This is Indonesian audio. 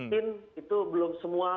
mungkin itu belum semua